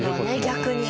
逆に。